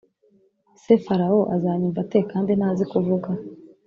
Se farawo azanyumva ate kandi ntazi kuvuga